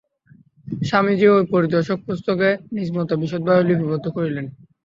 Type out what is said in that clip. স্বামীজীও ঐ পরিদর্শক-পুস্তকে নিজ মত বিশদভাবে লিপিবদ্ধ করিলেন।